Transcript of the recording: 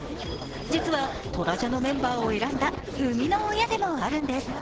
実はトラジャのメンバーを選んだ生みの親でもあるんです。